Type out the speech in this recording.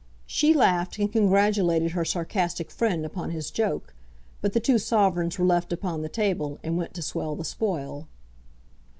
She laughed and congratulated her sarcastic friend upon his joke; but the two sovereigns were left upon the table, and went to swell the spoil.